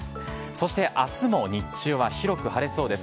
そして、あすも日中は広く晴れそうです。